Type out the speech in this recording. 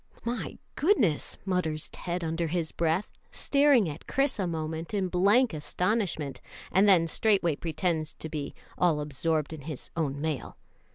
"My goodness!" mutters Ted under his breath, staring at Chris a moment in blank astonishment, and then straightway pretends to be all absorbed in his own mail.